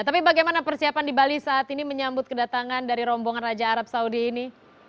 tapi bagaimana persiapan di bali saat ini menyambut kedatangan dari rombongan raja arab saudi ini